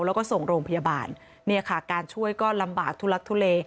แล้วก็ส่งโรงพยาบาลเนี่ยค่ะการช่วยก็ลำบากทุลักทุเล